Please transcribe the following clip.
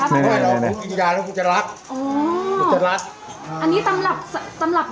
มันมันแก้ปวดหัวเหรอครับครับชะลับ